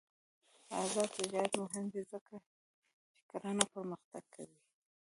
آزاد تجارت مهم دی ځکه چې کرنه پرمختګ کوي.